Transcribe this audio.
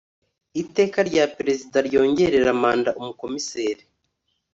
Iteka rya Perezida ryongerera manda Umukomiseri